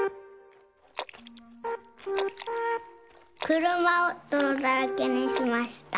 くるまをどろだらけにしました。